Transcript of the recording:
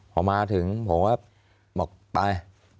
พอมาถึงผมก็บอกไป